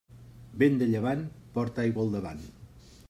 Vent de llevant, porta aigua al davant.